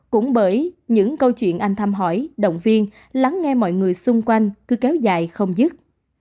cũng bởi những câu chuyện anh thăm hỏi động viên lắng nghe mọi người xung quanh cứ kéo dài không dứt